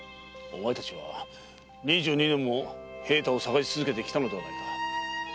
お前たちは二十二年も平太を探し続けてきたのではないか。